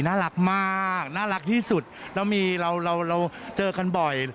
น่ารักมากน่ารักที่สุดเราเจอกันบ่อย